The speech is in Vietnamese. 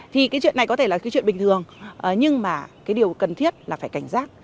thì cái chuyện này có thể là cái chuyện bình thường nhưng mà cái điều cần thiết là phải cảnh giác